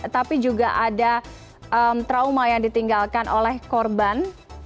tapi juga ada trauma yang ditinggalkan oleh korban